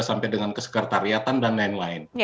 sampai dengan kesekretariatan dan lain lain